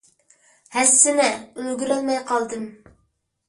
ھەسسىنە، ئۈلگۈرەلمەي قالدىم.